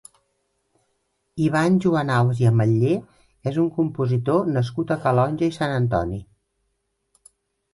Ivan Joanals i Ametller és un compositor nascut a Calonge i Sant Antoni.